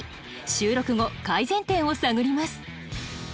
収録後改善点を探ります。